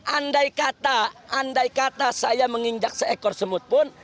andai kata andai kata saya menginjak seekor semut pun